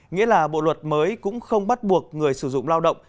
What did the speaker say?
nghĩa là bộ luật mới cũng không bắt buộc người sử dụng lao động